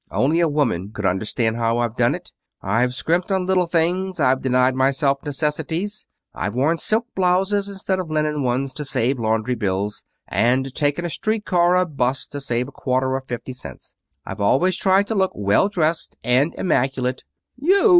Only a woman could understand how I've done it. I've scrimped on little things. I've denied myself necessities. I've worn silk blouses instead of linen ones to save laundry bills and taken a street car or 'bus to save a quarter or fifty cents. I've always tried to look well dressed and immaculate " "You!"